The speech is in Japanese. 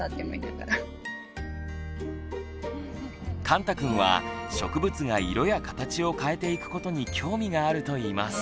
かんたくんは植物が色や形を変えていくことに興味があるといいます。